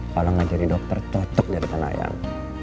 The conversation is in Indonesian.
kalau gak jadi dokter tutup dari tanah yang